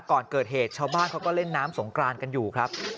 ก่อนเกิดเหตุชาวบ้านเขาก็เล่นน้ำสงกรานกันอยู่ครับ